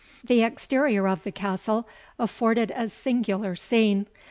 The exterior of the castle afforded a singular scene.